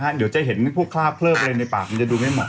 เดี๋ยวจะเห็นผู้ฆ่าเคลือบเลยในปากมันจะดูไม่เหมาะ